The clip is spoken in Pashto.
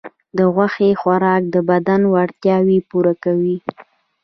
د غوښې خوراک د بدن اړتیاوې پوره کوي.